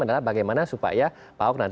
adalah bagaimana supaya pak ahok nanti